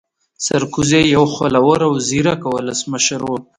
سرکوزی يو خوله ور او ځيرکا ولسمشر وو